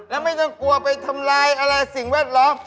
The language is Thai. แล้วไม่ต้องกลัวไปทำลายอะไรสิ่งแวดล้อม